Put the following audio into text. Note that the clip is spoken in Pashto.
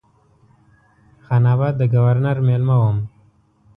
خان آباد د ګورنر مېلمه وم.